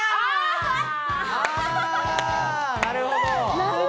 なるほど。